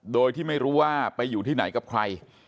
โดยที่ไม่รู้ว่าไปอยู่ที่ไหนกับใคร